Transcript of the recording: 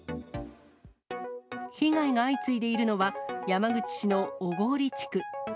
被害が相次いでいるのは、山口市の小郡地区。